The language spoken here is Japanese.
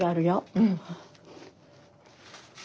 うん。